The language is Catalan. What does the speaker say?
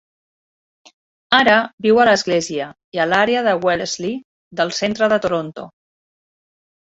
Ara viu a l'església i a l'àrea de Wellesley del centre de Toronto.